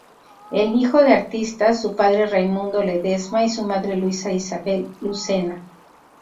Es hijo de artistas, su padre Raimundo Ledesma y su madre Luisa Ysabel Lucena.